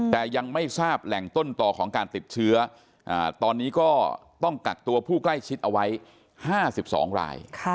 แต่ยังไม่ทราบแหล่งต้นต่อของการติดเชื้อตอนนี้ก็ต้องกักตัวผู้ใกล้ชิดเอาไว้๕๒ราย